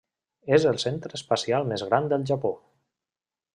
És el centre espacial més gran del Japó.